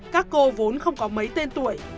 các cô vốn không có mấy tên tuổi